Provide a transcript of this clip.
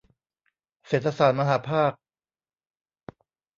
เศรษฐศาสตร์มหภาค